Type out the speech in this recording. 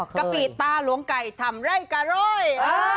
กะปิตาหลวงไก่ทำไร่กะรอย